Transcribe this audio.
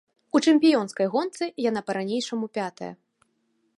У чэмпіёнскай гонцы яна па-ранейшаму пятая.